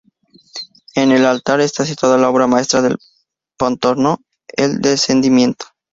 En el altar está situada la obra maestra de Pontormo "El descendimiento".